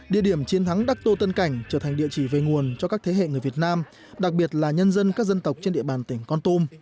địa điểm chiến thắng đắc tô tân cảnh trở thành địa chỉ về nguồn cho các thế hệ người việt nam đặc biệt là nhân dân các dân tộc trên địa bàn tỉnh con tum